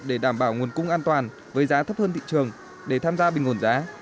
để đảm bảo nguồn cung an toàn với giá thấp hơn thị trường để tham gia bình ổn giá